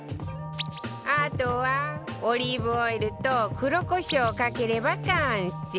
あとはオリーブオイルと黒コショウをかければ完成